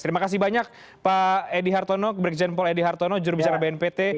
terima kasih banyak pak edi hartono juru bicara bnpt